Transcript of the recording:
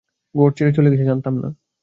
ঘর ছেড়ে চলে গেছে জানতাম না।